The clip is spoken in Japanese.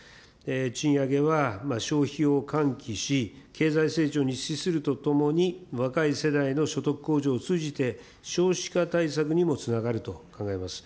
賃上げは消費を喚起し、経済成長に資するとともに、若い世代の所得向上を通じて、少子化対策にもつながると考えます。